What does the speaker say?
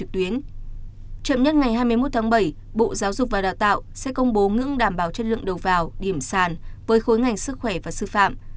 chậm nhất ngày hai mươi một tháng bảy bộ giáo dục và đào tạo sẽ công bố ngưỡng đảm bảo chất lượng đầu vào điểm sàn với khối ngành sức khỏe và sư phạm